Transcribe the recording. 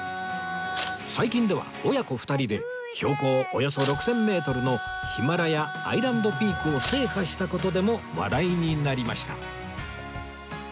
最近では親子２人で標高およそ６０００メートルのヒマラヤアイランドピークを制覇した事でも話題になりました